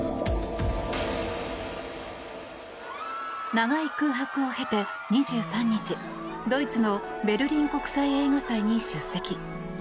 長い空白を経て２３日ドイツのベルリン国際映画祭に出席。